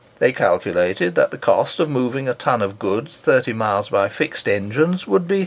They calculated that the cost of moving a ton of goods thirty miles by fixed engines would be 6.